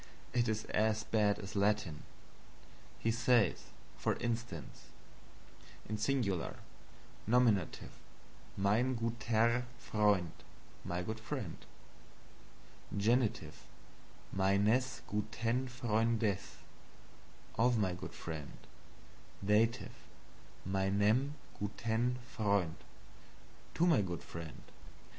It is as bad as Latin. He says, for instance: SINGULAR Nominative Mein gutER Freund, my good friend. Genitives MeinES GutEN FreundES, of my good friend. Dative MeinEM gutEN Freund, to my good friend.